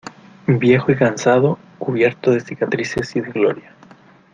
viejo y cansado, cubierto de cicatrices y de gloria